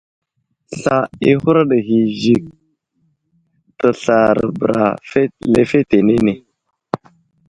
Slal i huraɗ ghay i Zik teslara bəra lefetenene.